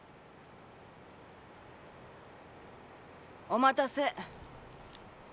お待たせ。